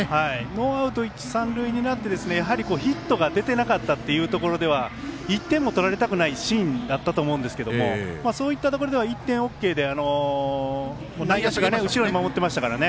ノーアウト一塁三塁になりやはり、ヒットが出てなかったっていうところでは１点も取られたくないシーンだったと思うんですがそういうところでは１点ＯＫで外野手後ろに守っていましたから。